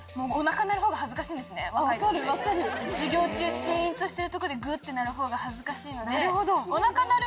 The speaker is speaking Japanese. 授業中しんとしてるとこでぐって鳴るほうが恥ずかしい。